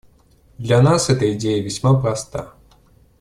Для нас эта идея весьма проста.